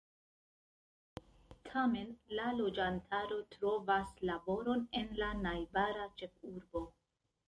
Tamen la loĝantaro trovas laboron en la najbara ĉefurbo.